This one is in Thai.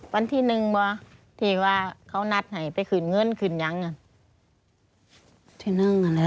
วันที่๑ว่ะที่ว่าเขานัดให้ไปขึ้นเงินขึ้นอย่างนั้น